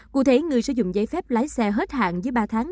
cụ thể người sử dụng giấy phép lái xe hết hạn dưới ba tháng